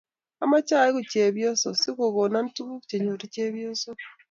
Ameche aeku chepyoso si kikonon tukuk che nyoru chepyoso.